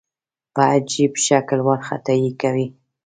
په عجیب شکل وارخطايي کوي.